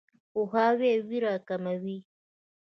پوهاوی ویره کموي.